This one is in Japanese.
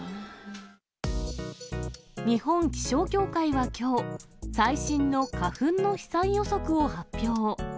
日本気象協会はきょう、最新の花粉の飛散予測を発表。